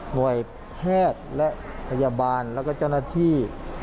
หน่วยแพทย์และพยาบาลแล้วก็เจ้าหน้าที่